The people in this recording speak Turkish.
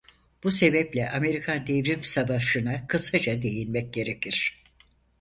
Bu sebeple Amerikan Devrim Savaşına kısaca değinmek gerekir.